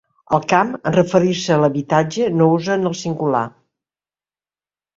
Al camp, en referir-se a l'habitatge, no usen el singular.